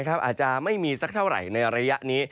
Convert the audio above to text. อาจจะไม่มีสักเท่าไหร่ในระยะนี้